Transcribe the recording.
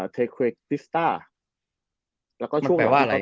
เทเคทิสต้า